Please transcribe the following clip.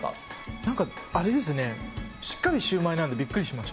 なんかあれですね、しっかりシューマイなんでびっくりしました。